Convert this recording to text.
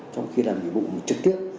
trong khi làm nhiệm vụ trực tiếp